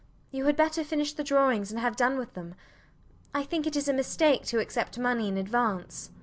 You had better finish the drawings and have done with them. I think it is a mistake to accept money in advance.